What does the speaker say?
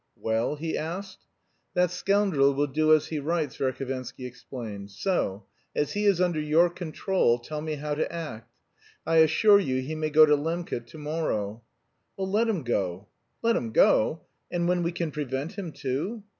"Well?" he asked. "That scoundrel will do as he writes," Verhovensky explained. "So, as he is under your control, tell me how to act. I assure you he may go to Lembke to morrow." "Well, let him go." "Let him go! And when we can prevent him, too!"